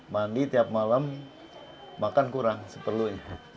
mandi tiap malam makan kurang seperlu ini